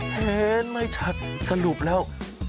เห็นไม่ชัดสรุปแล้ว